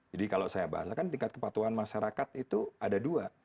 jadi kalau saya bahasakan tingkat kepatuhan masyarakat itu ada dua